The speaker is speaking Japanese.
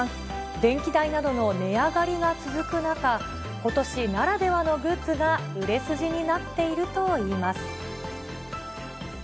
電気代などの値上がりが続く中、ことしならではのグッズが売れ筋になっているといいます。